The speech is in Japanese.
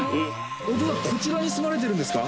お父さんこちらに住まれてるんですか？